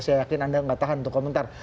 saya yakin anda nggak tahan untuk komentar